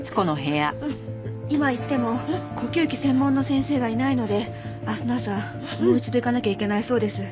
今行っても呼吸器専門の先生がいないので明日の朝もう一度行かなきゃいけないそうです。